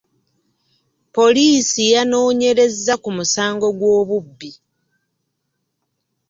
Poliisi yanoonyerezza ku musango gw'obubbi .